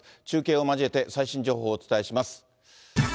中継を交えて、最新情報をお伝えします。